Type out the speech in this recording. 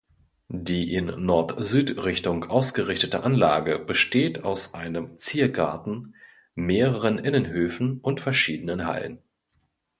Die in Nord-Süd-Richtung ausgerichtete Anlage besteht aus einem Ziergarten, mehreren Innenhöfen und verschiedenen Hallen.